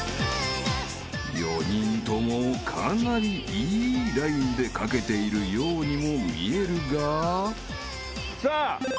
［４人ともかなりいいラインで描けているようにも見えるが］さあ。